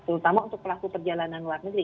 terutama untuk pelaku perjalanan luar negeri